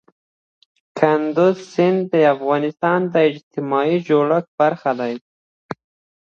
کندز سیند د افغانستان د اجتماعي جوړښت برخه ده.